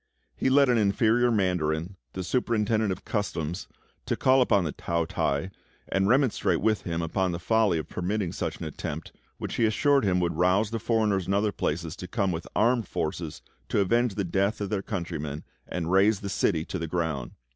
He led an inferior mandarin, the Superintendent of Customs, to call upon the Tao t'ai, and remonstrate with him upon the folly of permitting such an attempt, which he assured him would rouse the foreigners in other places to come with armed forces to avenge the death of their countrymen and raze the city to the ground.